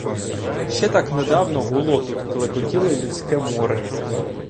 Ще так недавно гуло тут, клекотіло людське море.